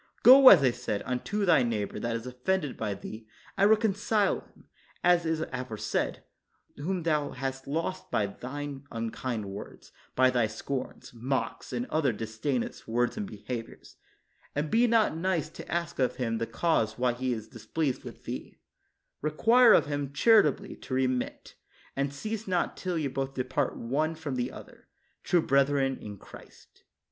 Go, as I said, unto thy neighbor that is offended by thee, and reconcile him, as is aforesaid, whom thou hast lost by thine unkind words, by thy scorns, mocks and other disdainous words and behaviors; and be not nice to ask of him the cause why he is displeased with thee; require of him charitably to remit ; and cease not till you both depart one from the other, true brethren in Christ.